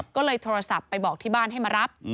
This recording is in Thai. ก็เลยโทรศัพท์ไปบอกที่บ้านให้มารับ